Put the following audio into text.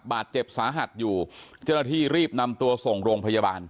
บาดเจ็บสาหัสอยู่เจ้าหน้าที่รีบนำตัวส่งโรงพยาบาล